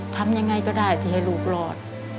ทำยังไงก็ได้ที่ให้ลูกรอด